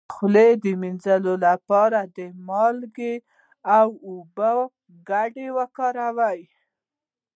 د خولې د مینځلو لپاره د مالګې او اوبو ګډول وکاروئ